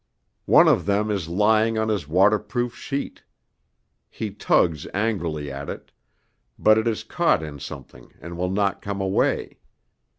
One of them is lying on his waterproof sheet: he tugs angrily at it, but it is caught in something and will not come away.